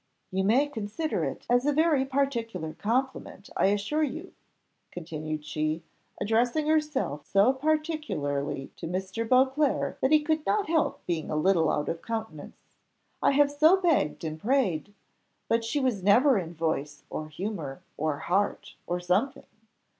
"You may consider it as a very particular compliment, I assure you," continued she, addressing herself so particularly to Mr. Beauclerc that he could not help being a little out of countenance, "I have so begged and prayed, but she was never in voice or humour, or heart, or something.